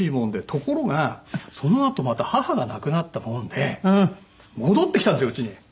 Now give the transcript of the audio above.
ところがそのあとまた母が亡くなったもんで戻ってきたんですようちに。